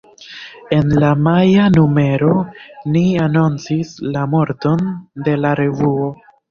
En la maja numero ni anoncis la morton de la revuo.